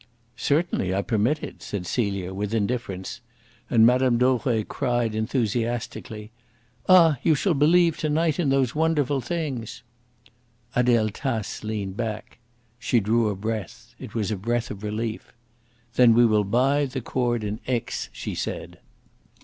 "Certainly I permit it," said Celia, with indifference; and Mme. Dauvray cried enthusiastically: "Ah, you shall believe to night in those wonderful things!" Adele Tace leaned back. She drew a breath. It was a breath of relief. "Then we will buy the cord in Aix," she said.